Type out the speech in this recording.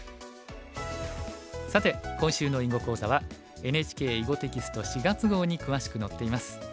さて今週の囲碁講座はＮＨＫ囲碁テキスト４月号に詳しく載っています。